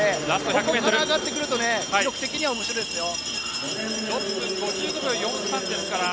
ここから上がってくると記録的にはおもしろいですよ。